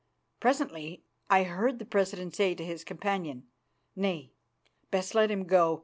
Presently I heard the president say to his companions: "Nay, best let him go.